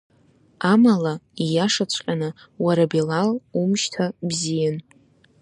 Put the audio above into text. Амала, ииашаҵәҟьаны, уара Билал, умшьҭа бзиан.